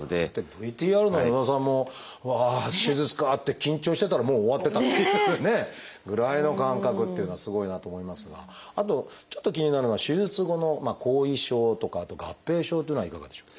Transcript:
ＶＴＲの与田さんもうわ手術かって緊張してたらもう終わってたっていうねぐらいの感覚っていうのはすごいなと思いますがあとちょっと気になるのは手術後の後遺症とかあと合併症というのはいかがでしょう？